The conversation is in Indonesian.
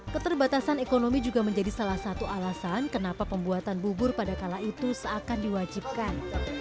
keterbatasan ekonomi juga menjadi salah satu alasan kenapa pembuatan bubur pada kala itu seakan diwajibkan